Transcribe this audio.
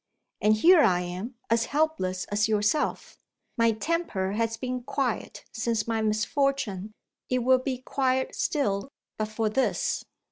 And here I am, as helpless as yourself! My temper has been quiet, since my misfortune; it would be quiet still, but for this."